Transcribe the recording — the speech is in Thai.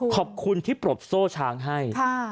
ขอบคุณที่ปลดโซ่ช้างให้